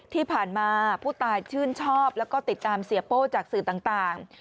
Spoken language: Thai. ที่ผ่านมาผู้ตายชื่นชอบแล้วก็ติดตามเสียโป้จากสื่อต่าง